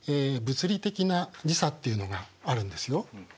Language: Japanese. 物理的な時差っていうのがあるんですよ。